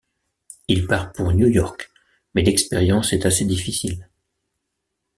Il part pour New York, mais l'expérience est assez difficile.